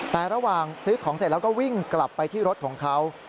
แต่ระหว่างซื้อของเสร็จแล้วก็วิ่งกลับไปที่รถของเขา